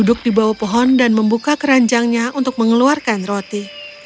duduk di bawah pohon dan membuka keranjangnya untuk mengeluarkan roti